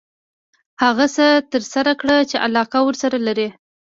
هغه څه ترسره کړه چې علاقه ورسره لري .